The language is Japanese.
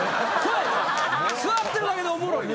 座ってるだけでおもろいよな。